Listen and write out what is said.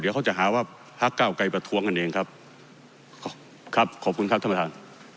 เดี๋ยวเขาจะหาว่าพักเก้าไกรประท้วงกันเองครับครับขอบคุณครับท่านประธาน